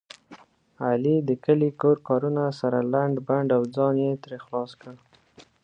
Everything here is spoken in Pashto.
علي د کلي کور کارونه سره لنډ بنډ او ځان یې ترې خلاص کړ.